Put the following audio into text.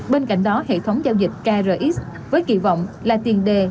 bên cạnh đó hệ thống giao dịch krx với kỳ vọng là tiền đề